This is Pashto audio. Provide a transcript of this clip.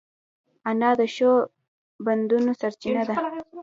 انا د ښو پندونو سرچینه ده